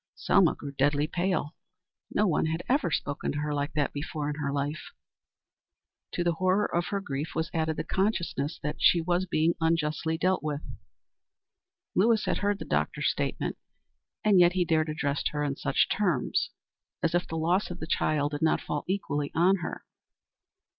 Selma grew deadly pale. No one had ever spoken to her like that before in her life. To the horror of her grief was added the consciousness that she was being unjustly dealt with. Lewis had heard the doctor's statement, and yet he dared address her in such terms. As if the loss of the child did not fall equally on her.